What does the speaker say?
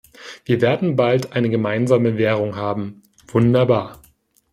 Wir werden bald eine gemeinsame Währung haben, wunderbar!